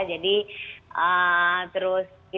jadi terus kita dibayangkan